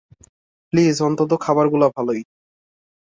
Please অন্তত খাবারগুলো ভালোই।